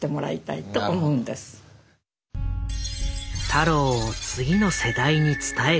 太郎を次の世代に伝える。